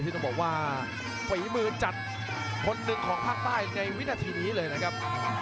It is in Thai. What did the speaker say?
ต้องบอกว่าฝีมือจัดคนหนึ่งของภาคใต้ในวินาทีนี้เลยนะครับ